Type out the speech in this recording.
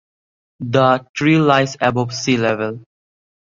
The tree lies above sea level.